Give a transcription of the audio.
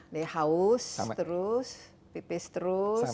dia haus terus pipis terus